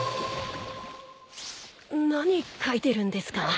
何描いてるんですか？